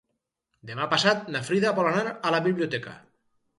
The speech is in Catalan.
Demà passat na Frida vol anar a la biblioteca.